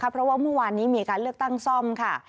เพราะว่าเมื่อวานนี้มีการเลือกตั้งซ่อมค่ะ